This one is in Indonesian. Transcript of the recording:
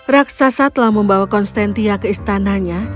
raksasa telah membawa konstantia ke istananya